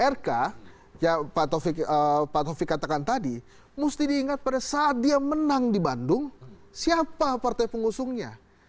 rk yang pak taufik katakan tadi mesti diingat pada saat dia menang di bandung siapa partai pengusungnya